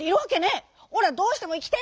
おらどうしてもいきてえんだ。